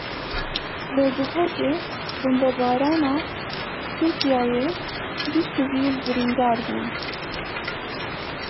Li Duhokê bombebarana Tirkiyeyê du sivîl birîndar bûn.